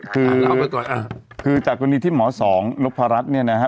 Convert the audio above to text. คืออย่างนี้คือจากวันนี้ที่หมอสองนกพระรัชเนี่ยนะฮะ